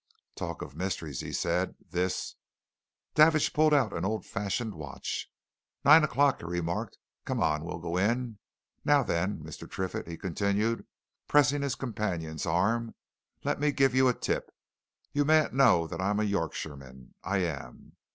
"Talk of mysteries!" he said. "This " Davidge pulled out an old fashioned watch. "Nine o'clock," he remarked. "Come on we'll go in. Now, then, Mr. Triffitt," he continued, pressing his companion's arm, "let me give you a tip. You mayn't know that I'm a Yorkshireman I am!